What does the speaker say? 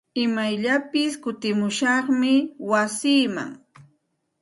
Imayllapis kutimushaqmi wasiiman.